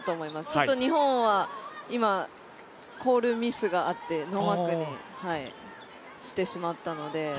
ちょっと日本は今、コールミスがあってノーマークにしてしまったので。